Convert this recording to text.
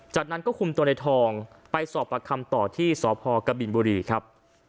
จากนั้นก็คุมตัวในทองไปสอบประคำต่อที่สพกบินบุรีครับ